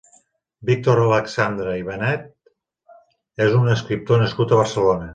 Víctor Alexandre i Benet és un escriptor nascut a Barcelona.